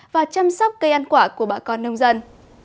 và chăm sóc cây ăn quả của bà con nông dân